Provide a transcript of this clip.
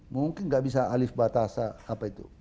mungkin nggak bisa alif batasa apa itu